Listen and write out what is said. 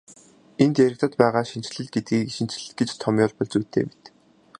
Энд яригдаад байгаа шинэчлэл гэдгийг шинэтгэл гэж томьёолбол зүйтэй мэт.